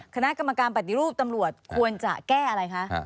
คณะกรรมการปฏิรูปตำรวจควรจะแก้อะไรคะ